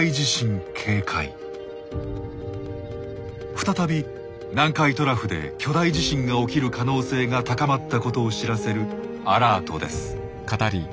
再び南海トラフで巨大地震が起きる可能性が高まったことを知らせるアラートです。